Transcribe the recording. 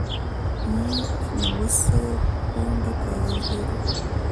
موږ اوه سوه پونډه کاغذ لرو